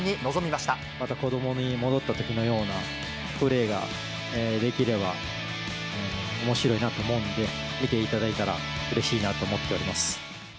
また子どもに戻ったときのようなプレーができればおもしろいなと思うので、見ていただいたらうれしいなと思っております。